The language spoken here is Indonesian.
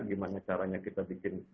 gimana caranya kita bikin